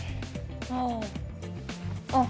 あああっ！